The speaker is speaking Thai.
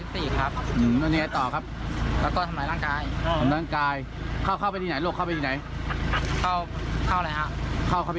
สู่เถ้าไปเถ้าสะพานปลาเถ้าสะพายแถวศาลนะครับ